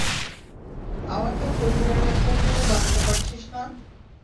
আমাকে পরিবারের একজন ভেবে বাঁচাতে পারছিস না?